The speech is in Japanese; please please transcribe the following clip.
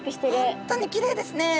本当にきれいですね。